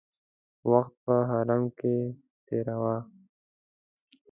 وخت په حرم کې تېراوه.